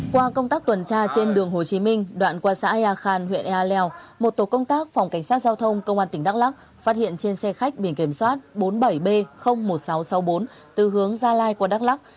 qua công tác tuần tra trên đường hồ chí minh đoạn qua xã yà khan huyện ea leo một tổ công tác phòng cảnh sát giao thông công an tỉnh đắk lắc phát hiện trên xe khách biển kiểm soát bốn mươi bảy b một nghìn sáu trăm sáu mươi bốn từ hướng gia lai qua đắk lắc